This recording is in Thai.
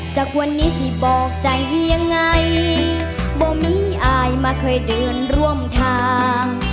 จากวันนี้ที่บอกใจยังไงบ่มีอายมาเคยเดินร่วมทาง